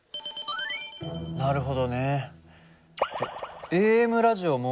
なるほどね。